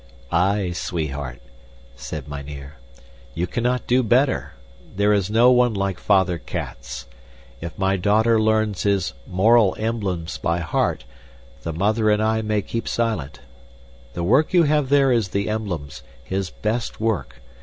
"Aye, sweetheart," said mynheer, "you cannot do better. There is no one like Father Cats. If my daughter learns his 'Moral Emblems' by heart, the mother and I may keep silent. The work you have there is the Emblems his best work.